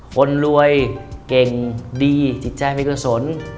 คนรวยเก่งดีจิตใจไม่กระสน